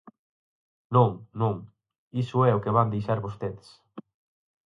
Non, non, iso é o que van deixar vostedes.